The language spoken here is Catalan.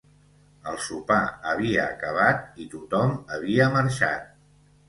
El sopar havia acabat i tothom havia marxat.